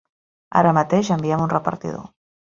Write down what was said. Ara mateix enviem un repartidor.